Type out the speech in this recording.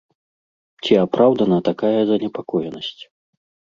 Ці апраўдана такая занепакоенасць?